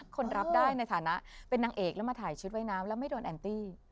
คนรับได้ในฐานะเป็นนางเอกแล้วมาถ่ายชุดว่ายน้ำแล้วไม่โดนแอนตี้